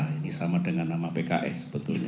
ini sama dengan nama pks sebetulnya